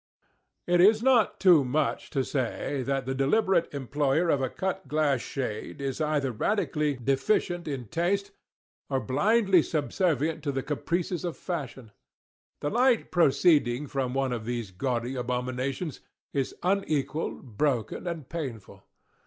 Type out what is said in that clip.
It is not too much to say, that the deliberate employer of a cut glass shade, is either radically deficient in taste, or blindly subservient to the caprices of fashion. The light proceeding from one of these gaudy abominations is unequal broken, and painful.